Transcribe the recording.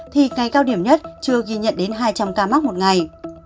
thì ngày cao điểm nhất chưa ghi nhận đến hai trăm linh ca mắc một ngày